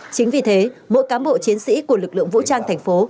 chính vì thế mỗi cán bộ chiến sĩ của lực lượng vũ trang thành phố